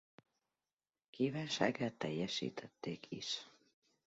Kívánságát teljesítették is.